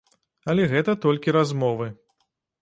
Але гэта толькі размовы.